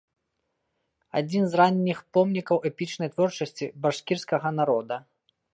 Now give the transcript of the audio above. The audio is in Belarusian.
Адзін з ранніх помнікаў эпічнай творчасці башкірскага народа.